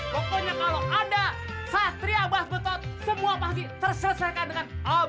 pokoknya kalau ada satria bas betot semua pasti terselesaikan dengan empat